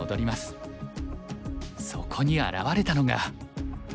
そこに現れたのが。